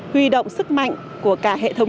huy động sức mạnh của cả hệ thống